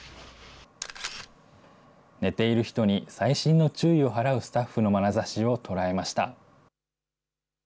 寝ている人に細心の注意を払うスタッフのまなざしを捉えました。